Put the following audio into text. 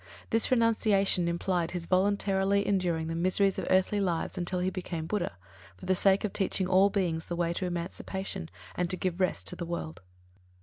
This renunciation implied his voluntarily enduring the miseries of earthly lives until he became Buddha, for the sake of teaching all beings the way to emancipation and to give rest to the world.